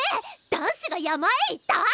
男子が山へ行った？